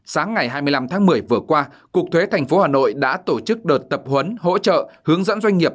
sáng ngày hai mươi năm tháng một mươi vừa qua cục thuế tp hà nội đã tổ chức đợt tập huấn hỗ trợ hướng dẫn doanh nghiệp